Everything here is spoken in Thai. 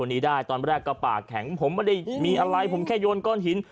มีตั้งเมตรก่อน